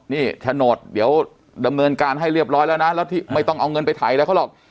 นี่โฉนดเดี๋ยวดำเนินการให้เรียบร้อยแล้วนะแล้วที่ไม่ต้องเอาเงินไปถ่ายอะไรเขาหรอก